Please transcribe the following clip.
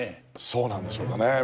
そうなんでしょうかね。